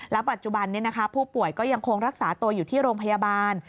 ปัจจุบันผู้ป่วยก็ยังคงรักษาตัวอยู่ที่โรงพยาบาล